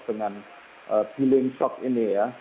dengan healing shock ini ya